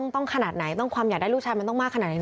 ต้องขนาดไหนต้องความอยากได้ลูกชายมันต้องมากขนาดไหน